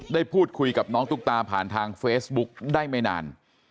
ได้พูดคุยกับน้องตุ๊กตาผ่านทางเฟซบุ๊กได้ไม่นาน